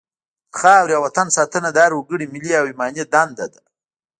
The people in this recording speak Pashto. د خاورې او وطن ساتنه د هر وګړي ملي او ایماني دنده ده.